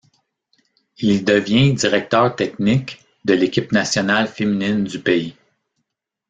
Il y devient directeur technique de l'équipe nationale féminine du pays.